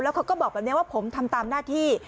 เขาก็บอกแบบนี้ว่าผมทำตามหน้าที่